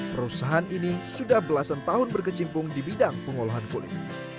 perusahaan ini sudah belasan tahun berkecimpung di bidang pengolahan kulit